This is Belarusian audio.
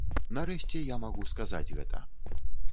Нарэшце я магу сказаць гэта!